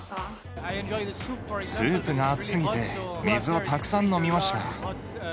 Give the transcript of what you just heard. スープが熱すぎて、水をたくさん飲みました。